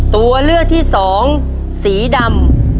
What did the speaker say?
ตัวเลือกที่สองสีดำ